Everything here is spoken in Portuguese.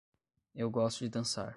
Eu gosto de dançar.